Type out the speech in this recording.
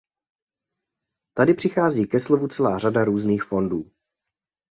Tady přichází ke slovu celá řada různých fondů.